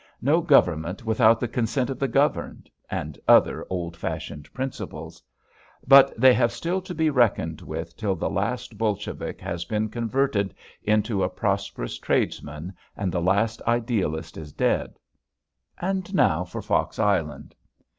"No government without the consent of the governed," and other old fashioned principles. But they have still to be reckoned with till the last Bolshevik has been converted into a prosperous tradesman and the last idealist is dead. And now for Fox Island.